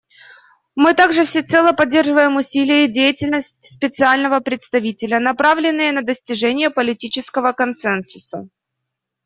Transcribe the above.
Мы также всецело поддерживаем усилия и деятельность Специального представителя, направленные на достижение политического консенсуса.